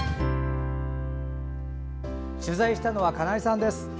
取材したのは金井さんです。